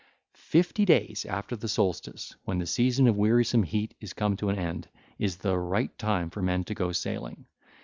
(ll. 663 677) Fifty days after the solstice 1334, when the season of wearisome heat is come to an end, is the right time for me to go sailing.